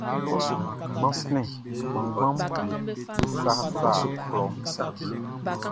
Gbanflɛn kannganʼm be sasa klɔʼn.